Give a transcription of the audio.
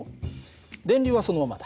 電流はそのままだ。